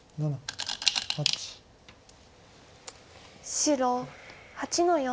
白８の四。